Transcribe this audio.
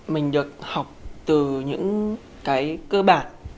mình được học từ những cái cơ bản